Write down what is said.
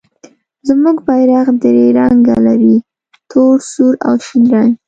زموږ بیرغ درې رنګه لري، تور، سور او شین رنګ.